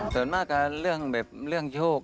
ส่วนมากก็เรื่องแบบเรื่องโชค